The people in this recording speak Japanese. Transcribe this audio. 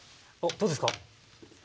どうですか？